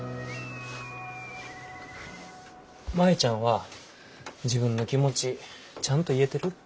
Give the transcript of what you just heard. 舞ちゃんは自分の気持ちちゃんと言えてる？